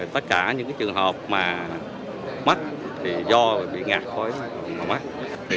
tất cả những trường hợp mắc thì do bị ngạt khói mắt